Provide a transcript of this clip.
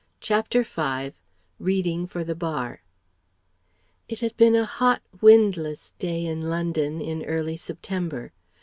CHAPTER V READING FOR THE BAR It had been a hot, windless day in London, in early September.